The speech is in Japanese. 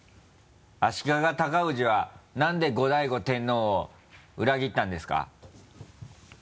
足利尊氏はなんで後醍醐天皇を裏切ったんですか？